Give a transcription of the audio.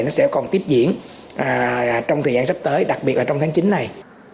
nó sẽ còn tiếp diễn trong thời gian sắp tới đặc biệt là trong tháng chín này